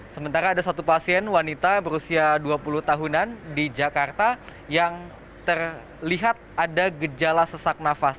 sementara ada satu pasien wanita berusia dua puluh tahunan di jakarta yang terlihat ada gejala sesak nafas